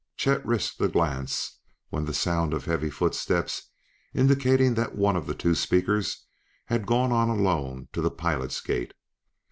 Chet risked a glance when the sound of heavy footsteps indicated that one of the two speakers had gone on alone to the pilots' gate.